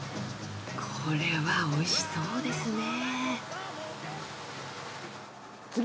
これは美味しそうですね。